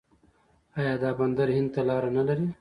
آیا دا بندر هند ته لاره نلري؟